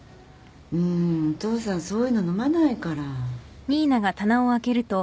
うんお父さんそういうの飲まないから。